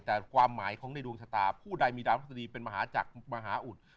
แต่ความหมายของในดวงชะตาผู้ใดมีดาวทัศดีเป็นมหาจักรมหาอุด